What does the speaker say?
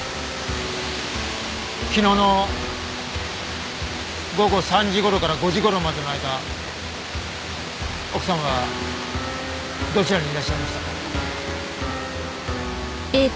昨日の午後３時頃から５時頃までの間奥さんはどちらにいらっしゃいましたか？